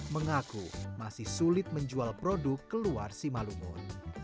mengaku masih sulit menjual produk keluar simalungun